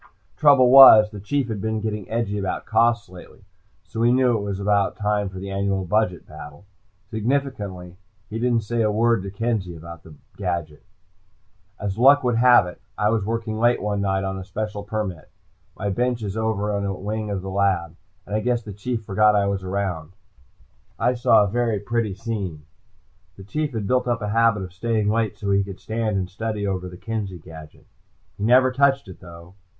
Trouble was, the Chief had been getting edgy about costs lately, so we knew it was about time for the annual budget battle. Significantly, he didn't say a word to Kenzie about the gadget. As luck would have it, I was working late one night on a special permit. My bench is over in a wing of the lab, and I guess the Chief forgot I was around. I saw a very pretty scene. The Chief had built up a habit of staying late so he could stand and study over the Kenzie gadget. He never touched it, though.